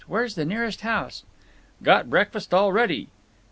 Where's the nearest house?" "Got breakfast all ready."